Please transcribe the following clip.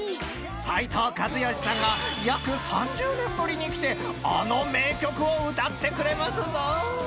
［斉藤和義さんが約３０年ぶりに来てあの名曲を歌ってくれますぞ］